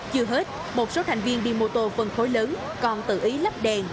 chưa hết một số thành viên đi mô tô phân khối lớn còn tự ý lắp đèn